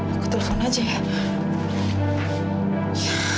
aku telepon aja ya